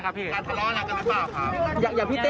อย่าพี่เต๊พูดอะไรกับพี่กัด